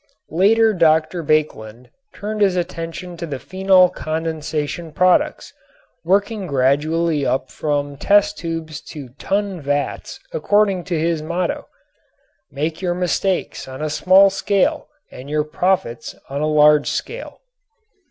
Later Dr. Baekeland turned his attention to the phenol condensation products, working gradually up from test tubes to ton vats according to his motto: "Make your mistakes on a small scale and your profits on a large scale."